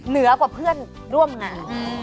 เหนือกว่าเพื่อนร่วมงาน